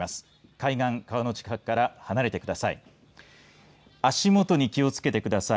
海岸、川の近くから離れてください。